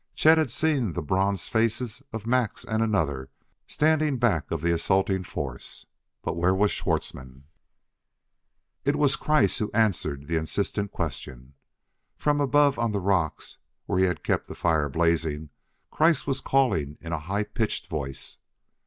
Chet had seen the bronzed faces of Max and another standing back of the assaulting force, but where was Schwartzmann? It was Kreiss who answered the insistent question. From above on the rocks, where he had kept the fire blazing, Kreiss was calling in a high pitched voice.